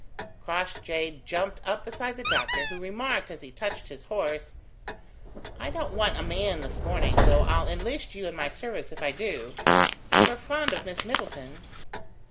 Crossjay jumped up beside the doctor, who remarked, as he touched his horse: "I don't want a man this morning, though I'll enlist you in my service if I do. You're fond of Miss Middleton?"